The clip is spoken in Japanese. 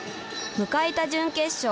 迎えた準決勝。